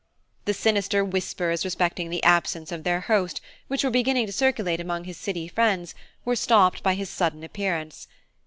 The sinister whispers respecting the absence of their host which were beginning to circulate among his City friends were stopped by his sudden appearance.